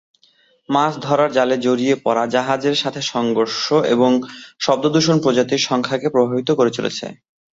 মাছ ধরার জালে জড়িয়ে পড়া, জাহাজের সাথে সংঘর্ষ এবং শব্দ দূষণ প্রজাতির সংখ্যাকে প্রভাবিত করে চলেছে।